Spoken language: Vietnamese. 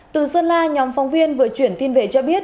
từ sơn la nhóm phóng viên vừa chuyển tin về cho biết